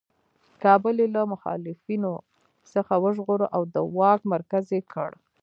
کابل یې له مخالفینو څخه وژغوره او د واک مرکز یې کړ.